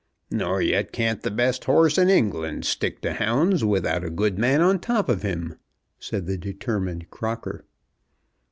"Nor yet can't the best horse in England stick to hounds without a good man on top of him," said the determined Crocker.